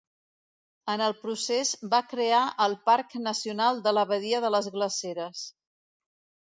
En el procés va crear el Parc Nacional de la Badia de les Glaceres.